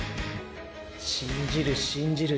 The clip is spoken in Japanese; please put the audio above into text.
「信じる」「信じる」